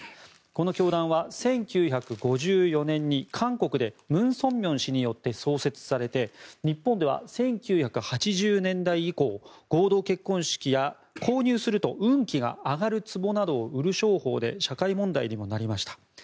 この教団は１９５４年に韓国でムン・ソンミョン氏によって創設されて日本では１９８０年代以降合同結婚式や購入すると運気が上がるつぼなどを売る商法で社会問題にもなりました。